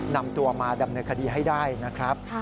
นำตัวมาดำเนินคดีให้ได้นะครับ